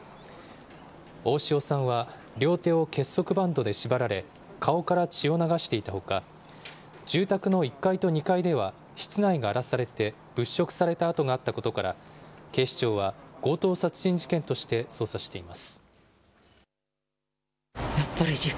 大塩さんは両手を結束バンドで縛られ、顔から血を流していたほか、住宅の１階と２階では、室内が荒らされて物色された跡があったことから、警視庁は、強盗殺人事件として捜査しています。